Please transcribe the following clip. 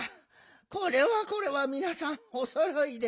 これはこれはみなさんおそろいで。